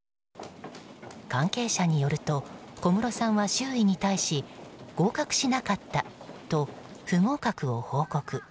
関係者によると小室さんは周囲に対し合格しなかったと不合格を報告。